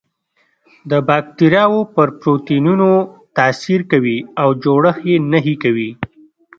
د باکتریاوو په پروتینونو تاثیر کوي او جوړښت یې نهي کوي.